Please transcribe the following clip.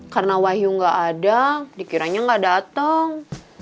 karena wahyu gak ada dikiranya gak dateng